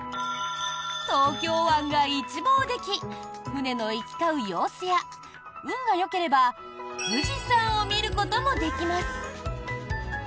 東京湾が一望でき船の行き交う様子や運がよければ富士山を見ることもできます。